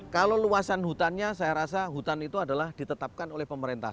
kalau luasan hutannya saya rasa hutan itu adalah ditetapkan oleh pemerintah